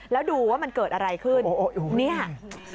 แล้วดูว่ามันเกิดอะไรขึ้นเนี่ย